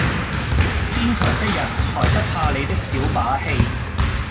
堅強的人才不怕你的小把戲！